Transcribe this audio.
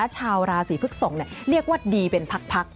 ชาวราศีพฤกษกเรียกว่าดีเป็นพัก